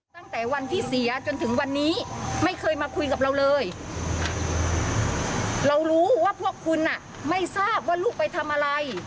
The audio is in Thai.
อยากให้นิสามเขาทำได้ยังไงบึกเบินก็เรื่องสิ่งไม่ใช่ตรงนั้น